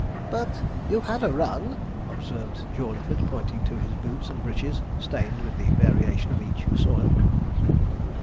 'But you've had a run?' observed Jawleyford, pointing to his boots and breeches, stained with the variation of each soil.